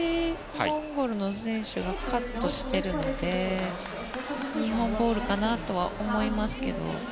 モンゴルの選手がカットしているので日本ボールかなとは思いますけど。